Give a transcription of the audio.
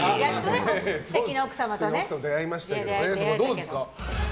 素敵な奥様と出会いましたけどどうですか？